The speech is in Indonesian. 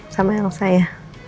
sama elsa ya